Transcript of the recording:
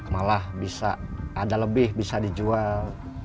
malah bisa ada lebih bisa dijual